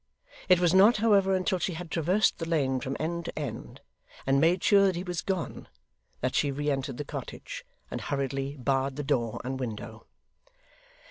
It was not, however, until she had traversed the lane from end to end, and made sure that he was gone, that she re entered the cottage, and hurriedly barred the door and window.